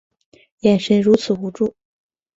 眼神如此无助